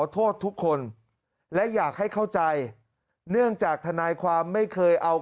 โทษทุกคนและอยากให้เข้าใจเนื่องจากทนายความไม่เคยเอา